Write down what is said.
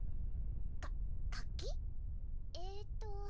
か活気？えっと。